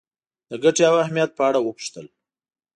د ګټې او اهمیت په اړه وپوښتل.